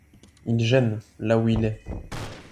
Il gêne, là où il est.